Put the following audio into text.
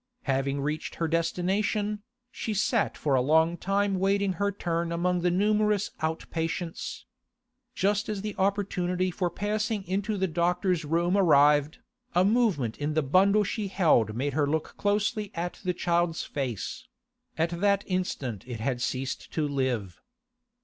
Having reached her destination, she sat for a long time waiting her turn among the numerous out patients. Just as the opportunity for passing into the doctor's room arrived, a movement in the bundle she held made her look closely at the child's face; at that instant it had ceased to live.